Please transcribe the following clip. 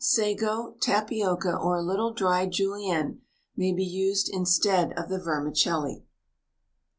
Sago, tapioca, or a little dried julienne may be used instead of the vermicelli.